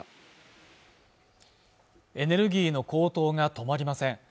エネルギーの高騰が止まりません